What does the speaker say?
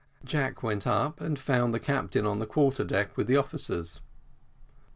Jack went up and found the captain on the quarter deck with the officers.